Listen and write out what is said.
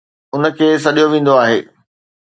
ان کي سڏيو ويندو آهي